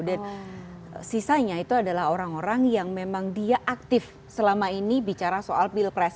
dan sisanya itu adalah orang orang yang memang dia aktif selama ini bicara soal pilpres